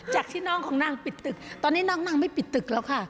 จากที่น้องคงนั่งปิดตึกตอนนี้น้องนั่งดีผิดตึกระค่ะ